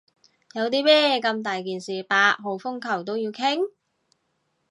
有啲咩咁大件事八號風球都要傾？